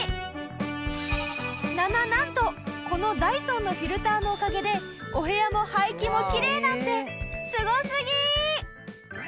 なななんとこのダイソンのフィルターのおかげでお部屋も排気もきれいなんてすごすぎー！